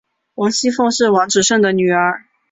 王熙凤是王子胜的女儿。